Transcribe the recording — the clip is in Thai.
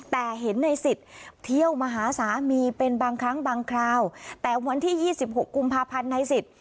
แต่เห็นในสิทธิ์เที่ยวมาหาสามีเป็นบางครั้งบางคราวแต่วันที่๒๖กุมภาพันธ์ในสิทธิ์